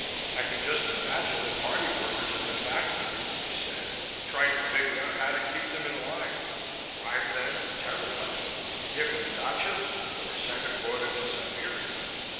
"I can just imagine the Party workers in the factory," he said, "trying to figure out how to keep them in line bribe them or terrify them? Give them dachas or send a quota to Siberia?